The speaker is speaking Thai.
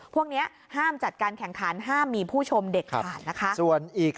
พวกนี้ห้ามจัดการแข่งขันห้ามมีผู้ชมเด็ดขาดนะคะ